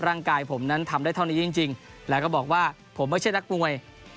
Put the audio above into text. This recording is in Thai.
ร่างกายผมนั้นทำได้เท่านี้จริงแล้วก็บอกว่าผมไม่ใช่นักมวย